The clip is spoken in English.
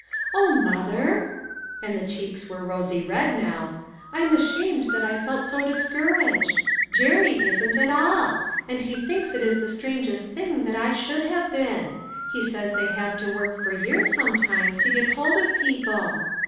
" O, mother," and the cheeks were rosy red now, " I'm ashamed that I felt so discouraged ; Jerry isn't at all ; and he thinks it is the strang est think that I should have been ! He says they .have to work for years, sometimes, to get hold of people.